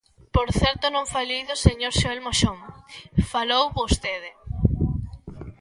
Por certo, non falei do señor Xoel Moxón, falou vostede.